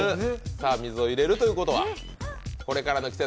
水を入れるということは、これからの季節。